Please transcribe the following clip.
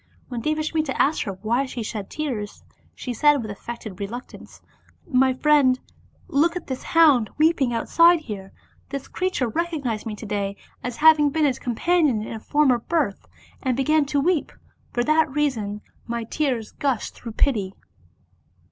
When Devasmita asked her why she shed tears, she said with affected reluctance: "My friend, look at this hound weeping outside here. This creature recognized me to day as having been its companion in a former birth, and began to weep; for that reason my tears gushed through pity."